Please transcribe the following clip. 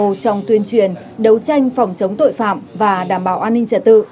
một trong tuyên truyền đấu tranh phòng chống tội phạm và đảm bảo an ninh trả tự